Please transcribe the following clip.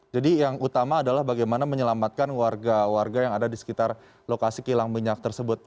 jadi yang utama adalah bagaimana menyelamatkan warga warga yang ada di sekitar lokasi kilang minyak tersebut